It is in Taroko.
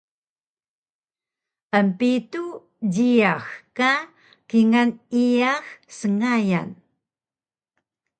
Empitu jiyax ka kingal iyax sngayan